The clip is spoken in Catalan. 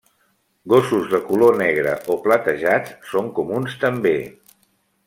Gossos de color negre o platejat són comuns també.